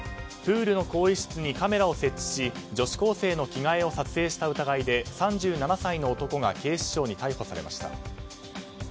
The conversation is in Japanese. プールの更衣室にカメラを設置し女子高生の着替えを撮影した疑いで３７歳の男が警視庁に逮捕されました。